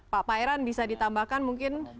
pak pairan bisa ditambahkan mungkin